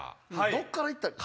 どっから行ったら？